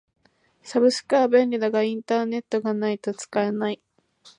サブスクは便利だがインターネットがないと使えない。